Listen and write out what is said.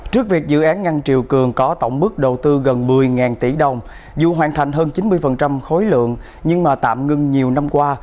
trước việc dự án ngăn triều cường có tổng mức đầu tư gần một mươi tỷ đồng dù hoàn thành hơn chín mươi khối lượng nhưng mà tạm ngưng nhiều năm qua